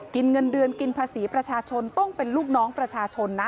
เงินเดือนกินภาษีประชาชนต้องเป็นลูกน้องประชาชนนะ